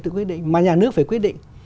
tự quyết định mà nhà nước phải quyết định